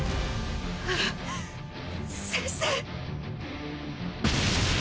ああ先生